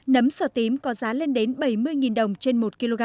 nấm sò tím có giá lên đến bảy mươi đồng trên một kg